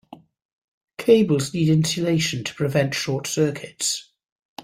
Cables need insulation to prevent short circuits.